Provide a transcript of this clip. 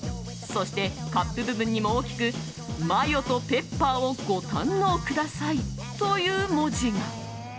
そして、カップ部分にも大きく「マヨとペッパーをご堪能下さい」という文字が。